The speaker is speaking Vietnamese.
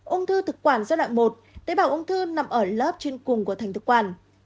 ung thư thực quản giai đoạn một tế bào ung thư nằm ở lớp trên cùng của thành thực quản